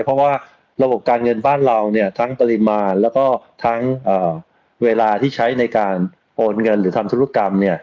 เพราะว่าระบบการเงินบ้านเราทั้งปริมาณแล้วก็ทั้งเวลาที่ใช้ในการโอนเงินหรือทำธุรกรรม